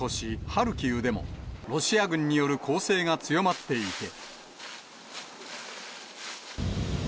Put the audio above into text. ハルキウでも、ロシア軍による攻勢が強まっていて。